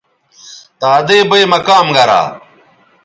دادئ بئ مہ کام گرا